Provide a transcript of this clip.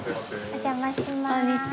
お邪魔しまーす。